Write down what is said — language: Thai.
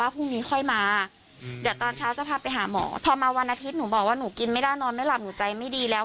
พอมาวันอาทิตย์หนูบอกว่าหนูกินไม่ได้นอนไม่หลับหนูใจไม่ดีแล้ว